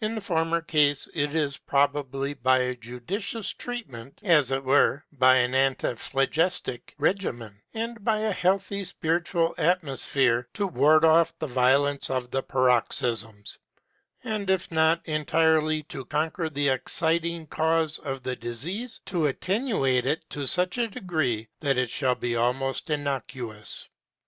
In the former case it is possible by a judicious treatment, as it were by an antiphlegistic regimen, and by a healthy spiritual atmosphere, to ward off the violence of the paroxysms; and if not entirely to conquer the exciting cause of the disease, to attenuate it to such a degree that it shall be almost innocuous.